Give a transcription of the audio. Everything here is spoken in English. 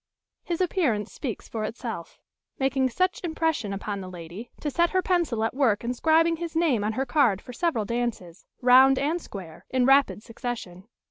His appearance speaks for itself, making such impression upon the lady as to set her pencil at work inscribing his name on her card for several dances, round and square, in rapid succession.